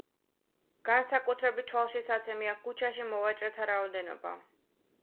განსაკუთრებით თვალშისაცემია ქუჩაში მოვაჭრეთა რაოდენობა.